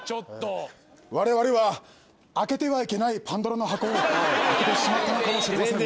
我々は開けてはいけないパンドラの箱を開けてしまったのかもしれませんね。